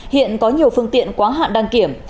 hiện có nhiều phương tiện quá hạn đăng kiểm